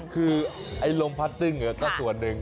คือไอ้ลมพัดตึ้งก็ส่วนหนึ่ง